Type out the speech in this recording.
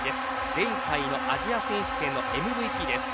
前回のアジア選手権のＭＶＰです。